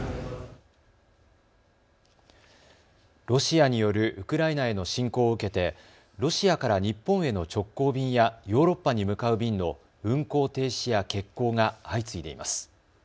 ロシアによるウクライナへの侵攻を受けてロシアから日本への直行便やヨーロッパに向かう便の運航停止や欠航が相次いでいます。